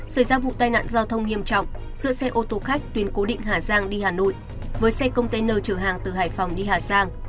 xảy ra vụ tai nạn giao thông nghiêm trọng giữa xe ô tô khách tuyến cố định hà giang đi hà nội với xe container chở hàng từ hải phòng đi hà giang